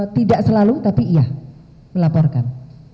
tidak selalu tapi iya melaporkan